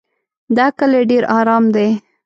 دا کلی ډېر ارام دی.